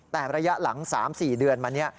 แต่ระยะหลัง๓๔เดือนมานี้